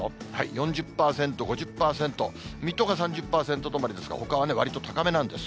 ４０％、５０％、水戸が３０％止まりですが、ほかはわりと高めなんです。